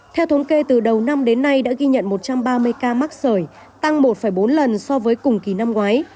theo thống kê từ đầu năm đến nay đã ghi nhận một trăm ba mươi ca mắc sởi tăng một bốn lần so với cùng kỳ năm ngoái